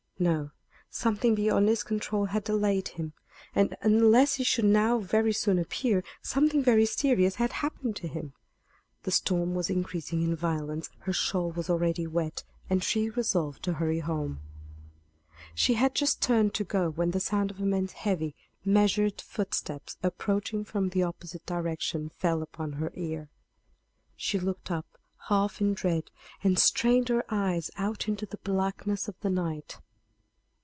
No; something beyond his control had delayed him. And, unless he should now very soon appear, something very serious had happened to him. The storm was increasing in violence; her shawl was already wet, and she resolved to hurry home. She had just turned to go when the sound of a man's heavy, measured footsteps, approaching from the opposite direction, fell upon her ear. She looked up half in dread, and strained her eyes out into the blackness of the night.